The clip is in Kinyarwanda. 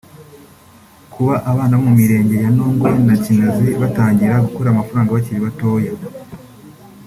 Kuba abana bo mu Mirenge ya Ntongwe na Kinazi batangira gukorera amafaranga bakiri batoya